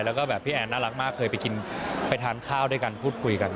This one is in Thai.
แล้วก็แบบพี่แอนน่ารักมากเคยไปกินไปทานข้าวด้วยกันพูดคุยกัน